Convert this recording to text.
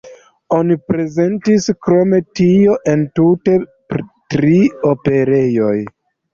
Oni prezentis krom tio entute tri operojn.